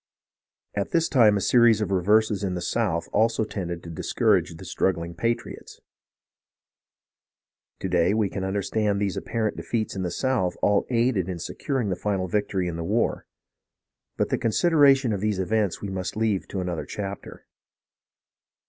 At this time a series of reverses in the south also tended to discourage the struggling patriots. To day we can un derstand that these apparent defeats in the south all aided in securing the final victory in the war; but the considera tion of these events we must leave to another chapter.